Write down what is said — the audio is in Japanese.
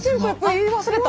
言い忘れた。